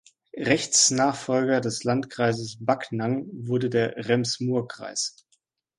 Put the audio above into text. Rechtsnachfolger des Landkreises Backnang wurde der Rems-Murr-Kreis.